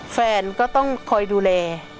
แฟนก็ต้องคอยดูแล